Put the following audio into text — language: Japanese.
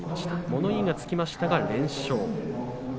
物言いがつきましたけれども連勝。